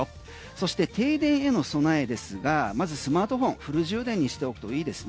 そして停電への備えですがまずスマートフォンフル充電にしておくといいです。